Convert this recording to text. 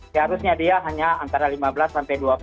seharusnya dia hanya antara lima belas sampai dua puluh